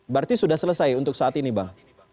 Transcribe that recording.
berarti sudah selesai untuk saat ini bang